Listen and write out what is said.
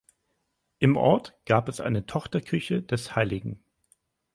Im Ort gab es eine Tochterkirche des hl.